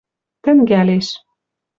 тӹнгӓлеш…